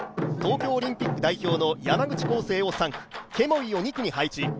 東京オリンピック代表の山口浩勢を３区ケモイを２区に配置。